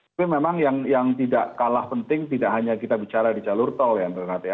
tapi memang yang tidak kalah penting tidak hanya kita bicara di jalur tol yad ya